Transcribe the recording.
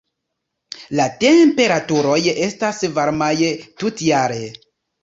La temperaturoj estas varmaj tutjare.